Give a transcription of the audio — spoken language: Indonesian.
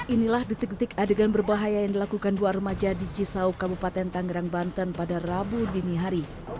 inilah detik detik adegan berbahaya yang dilakukan dua remaja di cisauk kabupaten tangerang banten pada rabu dini hari